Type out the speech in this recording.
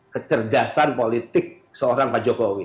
kecerdasan politik seorang pak jokowi